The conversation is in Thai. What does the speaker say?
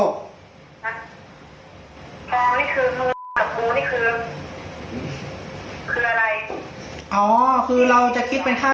นี่คือคืออะไรอ๋อคือเราจะคิดเป็นหรอ